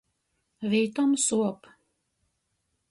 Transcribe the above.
Vītom suop.